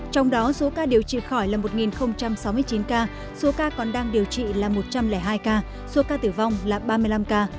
trong đó số ca điều trị khỏi là một sáu mươi chín ca số ca còn đang điều trị là một trăm linh hai ca số ca tử vong là ba mươi năm ca